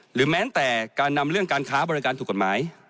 แม้แต่การนำเรื่องการค้าบริการถูกกฎหมาย